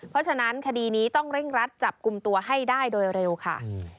เพราะฉะนั้นคดีนี้ต้องเร่งรัดจับกลุ่มตัวให้ได้โดยเร็วค่ะ